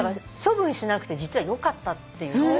処分しなくて実はよかったっていう。